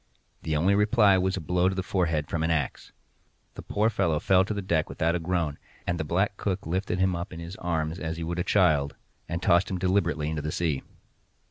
The only reply was a blow on the forehead from an axe. The poor fellow fell to the deck without a groan, and the black cook lifted him up in his arms as he would a child, and tossed him deliberately into the sea.